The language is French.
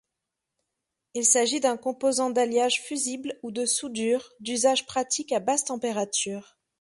Il s'agit d'un composant d'alliage fusible ou de soudure, d'usage pratique à basse températures.